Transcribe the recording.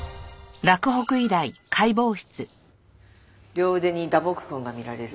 両腕に打撲痕が見られる。